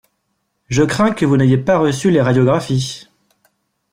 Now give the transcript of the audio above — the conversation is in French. Je crains que vous n'ayez pas reçu les radiographies.